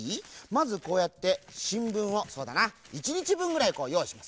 まずこうやってしんぶんをそうだな１にちぶんぐらいよういします。